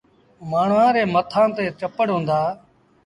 مآڻهآن ري مٿآن تي ٽپڙ هُݩدآ۔